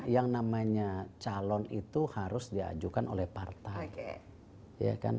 yang namanya calon itu harus diajukan oleh partai